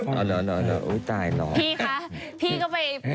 เป็นเวทีสุดท้ายนะคะ